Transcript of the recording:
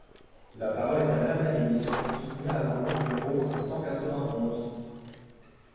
La parole est à Madame la ministre, pour soutenir l’amendement numéro six cent quatre-vingt-onze.